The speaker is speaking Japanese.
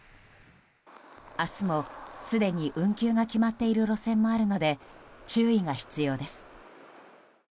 明日もすでに運休が決まっている路線もあるので注意が必要です。